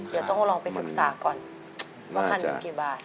เดี๋ยวต้องลองไปศึกษาก่อนคันกี่บาท